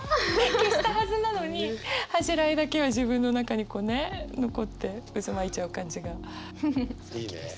消したはずなのに恥じらいだけは自分の中にこうね残って渦巻いちゃう感じがすてきです。